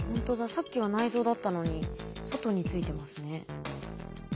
さっきは内臓だったのに外についてますね。